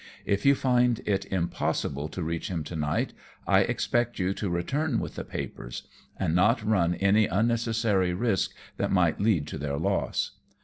If you find it impossible to reach him to night, I expect you to return with the papers, and not run any unnecessary risk, that might lead to their loss."